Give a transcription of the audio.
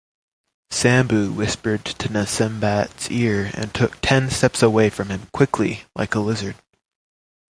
Sambuu whispered to Nasanbat’s ear and took ten steps away from him quickly like a lizard.